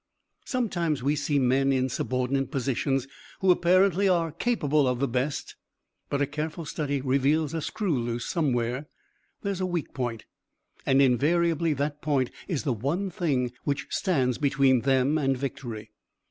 Sometime we see men in subordinate positions who apparently are capable of the best, but a careful study reveals a screw loose somewhere; there is a weak point, and invariably that point is the one thing which stands between them and victory.